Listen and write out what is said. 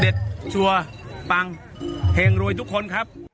เด็ดชัวร์ปังเห็งรวยทุกคนครับ